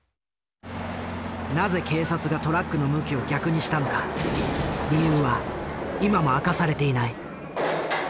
なぜ警察がトラックの向きを逆にしたのか理由は今も明かされていない。